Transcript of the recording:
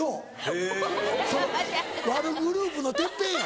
・へぇ・悪グループのてっぺんや。